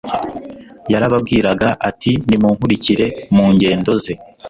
yarababwiraga ati : "Nimunkurikire." mu ngendo ze,